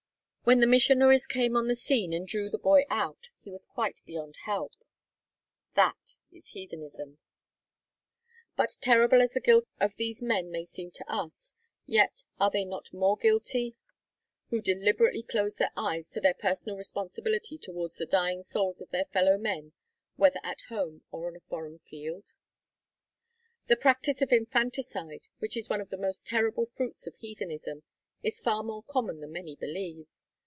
When the missionaries came on the scene and drew the boy out, he was quite beyond help. That is Heathenism. But terrible as the guilt of these men may seem to us, yet are they not more guilty who deliberately close their eyes to their personal responsibility towards the dying souls of their fellowmen, whether at Home or on the Foreign Field? The practice of Infanticide, which is one of the most terrible fruits of heathenism, is far more common than many believe.